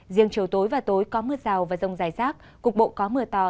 riêng chiều tối và tối có mưa rào và rông rải rác cục bộ có mưa to